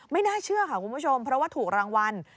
ไม่น่าเชื่อค่ะคุณผู้ชมเพราะว่าถูกรางวัล